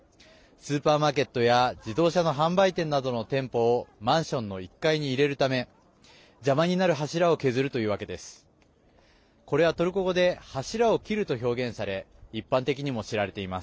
スーパーマーケットや自動車の販売店などの店舗をマンションの１階に入れるため邪魔になる柱を削るというわけです。